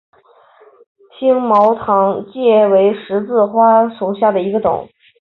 星毛糖芥为十字花科糖芥属下的一个种。